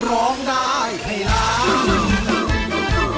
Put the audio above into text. ร้องได้ให้ล้าน